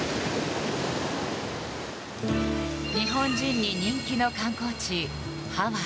日本人に人気の観光地ハワイ。